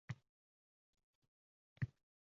Qaysi organlar iste’molchilar huquqlarini himoya qiladi?